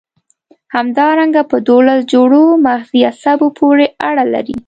همدارنګه په دوولس جوړو مغزي عصبو پورې اړه لري.